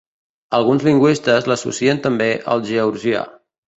Alguns lingüistes l'associen també al georgià.